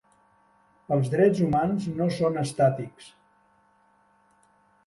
Els Drets Humans no són estàtics.